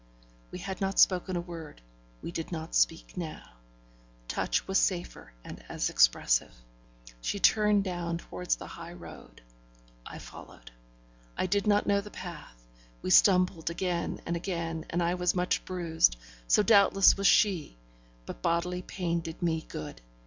We had not spoken a word; we did not speak now. Touch was safer and as expressive. She turned down towards the high road; I followed. I did not know the path; we stumbled again and again, and I was much bruised; so doubtless was she; but bodily pain did me good.